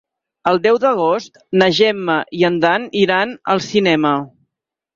El deu d'agost na Gemma i en Dan iran al cinema.